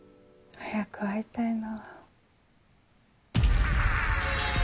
早く会いたいな。